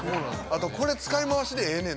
あとこれ使い回しでええね